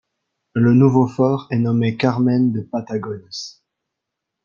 Le nouveau fort est nommé Carmen de Patagones.